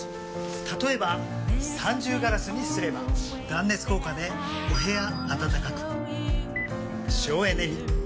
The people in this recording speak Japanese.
例えば三重ガラスにすれば断熱効果でお部屋暖かく省エネに。